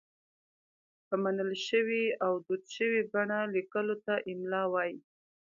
په منل شوې او دود شوې بڼه لیکلو ته املاء وايي.